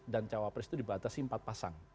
dan cawapres itu dibatasi empat pasang